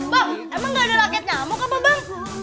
bang emang gak ada raket nyamuk apa bang